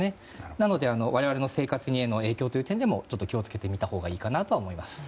なので我々の生活への影響という点でも気を付けてみたほうがいいと思います。